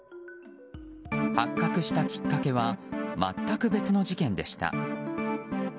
発覚したきっかけは全く別の事件でした。